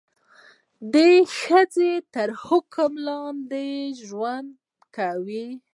د ښځې تر حکم لاندې ژوند کوي.